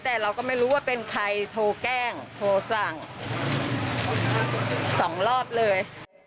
แต่เราก็ไม่รู้ว่าเป็นใครโทรแกล้งโทรสั่ง๒รอบเลย